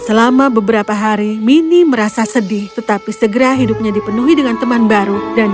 selama beberapa hari mini merasa sedih tetapi segera hidupnya dipenuhi dengan teman baru dan